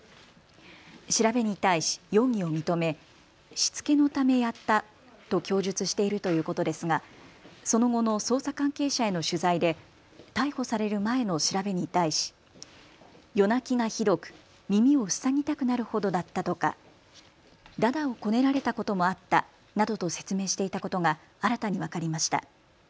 調べに対し容疑を認め、しつけのためやったと供述しているということですがその後の捜査関係者への取材で逮捕される前の調べに対し夜泣きがひどく耳を塞ぎたくなるほどだったとかだだをこねられたこともあったなどと説明していたことが新たに分かりました。